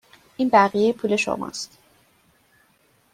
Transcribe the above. این بقیه پول شما است.